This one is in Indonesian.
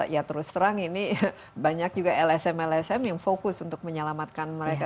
ya terus terang ini banyak juga lsm lsm yang fokus untuk menyelamatkan mereka